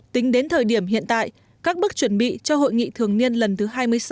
tính đến thời điểm hiện tại các bước chuẩn bị cho hội nghị thường niên lần thứ hai mươi sáu